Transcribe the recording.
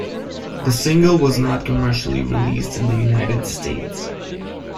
The single was not commercially released in the United States.